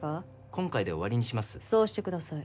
今回で終わりにしますそうしてください